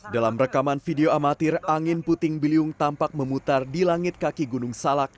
dalam rekaman video amatir angin puting beliung tampak memutar di langit kaki gunung salak